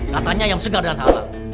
katanya yang segar dan halal